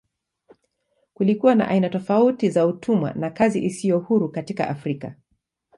Kulikuwa na aina tofauti za utumwa na kazi isiyo huru katika Afrika.